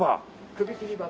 首切り場。